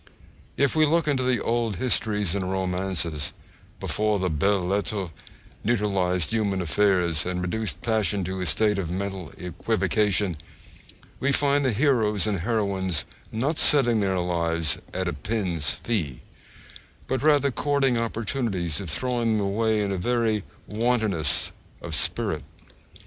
If we look into the old histories and romances, before the belles lettres neutralised human affairs and reduced passion to a state of mental equivocation, we find the heroes and heroines not setting their lives 'at a pin's fee,' but rather courting opportunities of throwing them away in very wantonness of spirit.